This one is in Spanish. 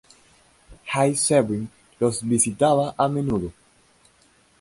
Jay Sebring los visitaba a menudo.